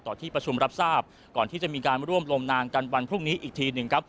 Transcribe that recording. ที่ประชุมรับทราบก่อนที่จะมีการร่วมลงนามกันวันพรุ่งนี้อีกทีหนึ่งครับ